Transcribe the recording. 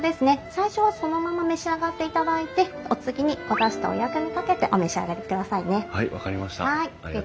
最初はそのまま召し上がっていただいてお次におだしとお薬味かけてお召し上がりくださいね。